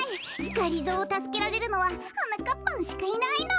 がりぞーをたすけられるのははなかっぱんしかいないの。